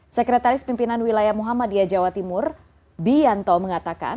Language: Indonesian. sekretaris pimpinan wilayah muhammadiyah jawa timur bi yanto mengatakan